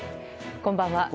こんばんは。